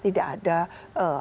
tidak ada kondisi